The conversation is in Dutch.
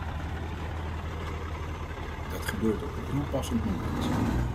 Dat gebeurt op een heel passend moment.